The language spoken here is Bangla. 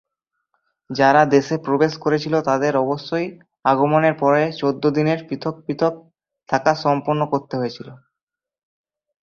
যারা দেশে প্রবেশ করেছিল তাদের অবশ্যই আগমনের পরে চৌদ্দ দিনের পৃথক পৃথক থাকা সম্পন্ন করতে হয়েছিল।